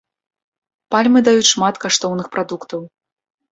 Пальмы даюць шмат каштоўных прадуктаў.